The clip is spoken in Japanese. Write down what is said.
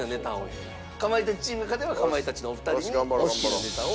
かまいたちチームが勝てばかまいたちのお二人にお好きなネタを。